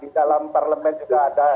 di dalam parlemen juga ada